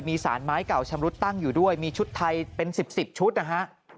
มีสารไม้เก่าชำรุดตั้งอยู่ด้วยมีชุดไทยเป็น๑๐ชุดนะฮะ